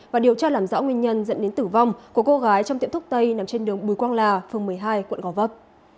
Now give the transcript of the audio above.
và điều tra làm rõ nguyên nhân dẫn đến tử vong của cô gái trong tiệm thuốc tây nằm trên đường bùi quang là phường một mươi hai quận gò vấp